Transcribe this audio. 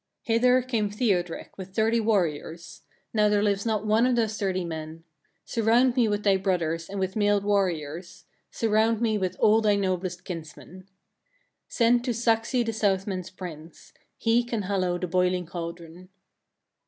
5. Hither came Thiodrek, with thirty warriors; now there lives not one of those thirty men. Surround me with thy brothers, and with mailed warriors; surround me with all thy noblest kinsmen. 6. Send to Saxi the Southmen's prince; he can hallow the boiling cauldron."